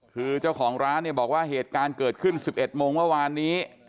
คือเจ้าของร้านเนี่ยบอกว่าเหตุการณ์เกิดขึ้น๑๑โมงเมื่อวานนี้